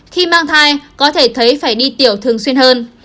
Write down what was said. khi mang thai có thể thấy phải đi tiểu thường xuyên hơn